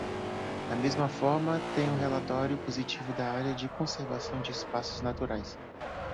Da mesma forma, tem o relatório positivo da Área de Conservação de Espaços Naturais.